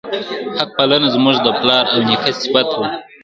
حق پالنه زموږ د پلار او نیکه صفت وو.